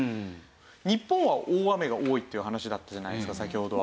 日本は大雨が多いっていう話だったじゃないですか先ほどは。